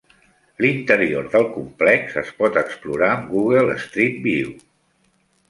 L"interior del complex es pot explorar amb Google Street View.